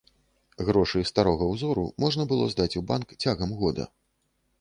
Грошы старога ўзору можна было здаць у банк цягам года.